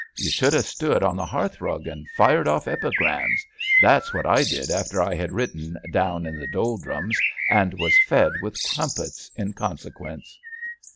You should have stood on the hearth rug and fired off epigrams. That's what I did after I had written Down in the Doldrums, and was fed with crumpets in consequence."